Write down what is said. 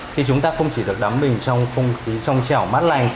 thì chúng ta không chỉ được đắm mình trong không khí trong chẻo mát lành